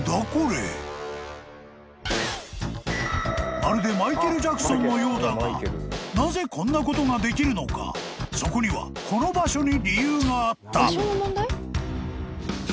［まるでマイケル・ジャクソンのようだがなぜこんなことができるのかそこにはこの場所に理由があった］